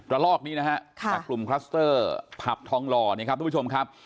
ลอกนี้นะฮะจากกลุ่มคลัสเตอร์ผับทองหล่อเนี่ยครับทุกผู้ชมครับ